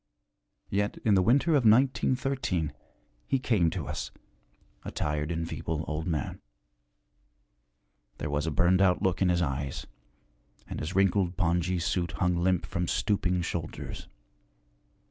Yet in the winter of 1913 he came to us, a tired and feeble old man. There was a burned out look in his eyes, and his wrinkled pongee suit hung limp from stooping shoulders.